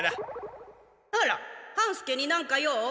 あら半助になんか用？